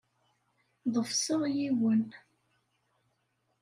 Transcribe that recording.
Ḍefseɣ yiwen.